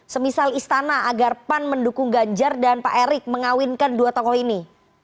semisal istana agar pan mendukung ganjar dan pak erik mengawinkan dua tokoh ini